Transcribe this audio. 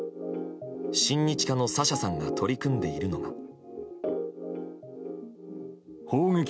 親日家のサシャさんが取り組んでいるのが。